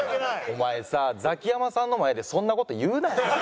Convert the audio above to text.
お前さザキヤマさんの前でそんな事言うな。